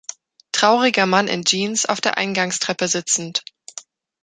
Trauriger Mann in Jeans auf der Eingangstreppe sitzend.